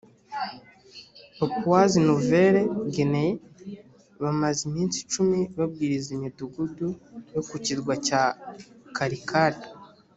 papouasie nouvelle guinee bamaze iminsi icumi babwiriza imidugudu yo ku kirwa cya karkar